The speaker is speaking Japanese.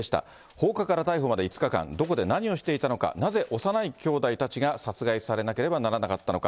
放火から逮捕まで５日間、どこで何をしていたのか、なぜ幼い兄弟たちが殺害されなければならなかったのか。